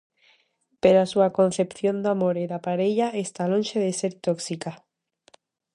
Pero a súa concepción do amor e da parella está lonxe de ser tóxica.